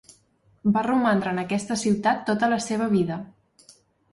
Va romandre en aquesta ciutat tota la seva vida.